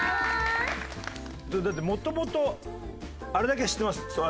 だってもともとあれだけは知ってます。